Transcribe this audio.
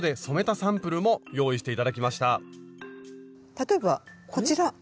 例えばこちら。